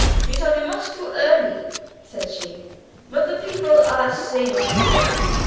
"We shall be much too early," said she. "But the people are shamefully late.